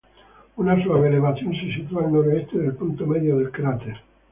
Una suave elevación se sitúa al noroeste del punto medio del cráter.